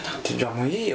もういいよ！